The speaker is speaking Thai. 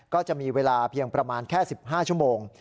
ก็จะมีเวลาเพียงประมาณแค่๑๕ชั่วโมง